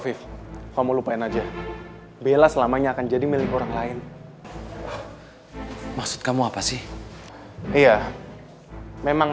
five kamu lupain aja bella selamanya akan jadi milik orang lain maksud kamu apa sih iya memang